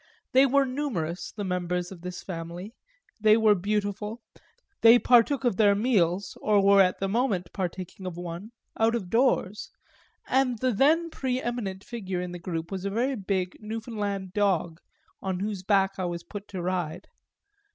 They were numerous, the members of this family, they were beautiful, they partook of their meals, or were at the moment partaking of one, out of doors, and the then pre eminent figure in the group was a very big Newfoundland dog on whose back I was put to ride.